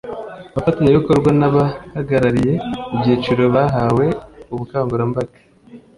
abafatanyabikorwa n’ abahagarariye ibyiciro bahawe ubukangurambaga